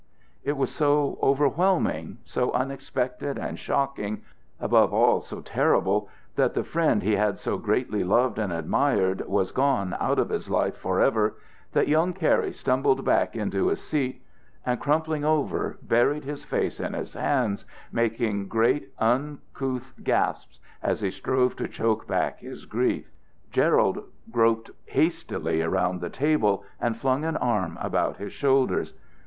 It was so overwhelming, so unexpected and shocking, above all so terrible, that the friend he had so greatly loved and admired was gone out of his life forever, that young Cary stumbled back into his seat, and, crumpling over, buried his face in his hands, making great uncouth gasps as he strove to choke back his grief. Gerald groped hastily around the table, and flung an arm about his shoulders.